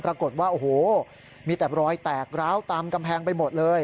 ปรากฏว่าโอ้โหมีแต่รอยแตกร้าวตามกำแพงไปหมดเลย